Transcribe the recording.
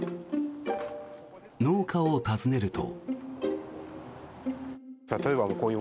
農家を訪ねると。